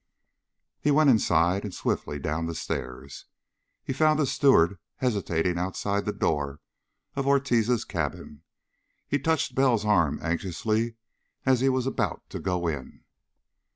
He went inside and swiftly down the stairs. He found a steward hesitating outside the door of Ortiz's cabin. He touched Bell's arm anxiously as he was about to go in.